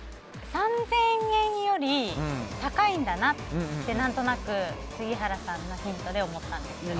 ３０００円より高いんだなって何となく、杉原さんのヒントで思ったんです。